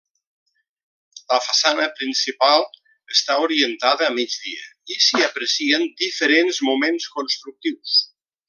La façana principal està orientada a migdia i s'hi aprecien diferents moments constructius.